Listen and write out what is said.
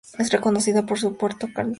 Es reconocida por su Puerto Cantera.